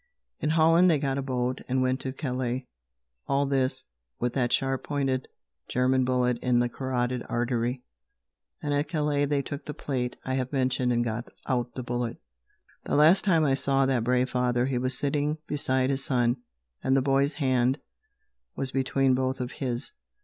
In Holland they got a boat and went to Calais. All this, with that sharp pointed German bullet in the carotid artery! And at Calais they took the plate I have mentioned and got out the bullet. The last time I saw that brave father he was sitting beside his son, and the boy's hand was between both of his.